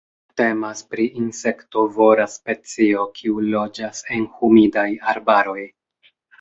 Temas pri insektovora specio kiu loĝas en humidaj arbaroj.